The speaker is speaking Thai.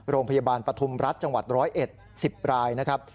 โรงพยาบาลปธุมรัฐจังหวัดร้อยเอ็ด๑๐รายนะครับ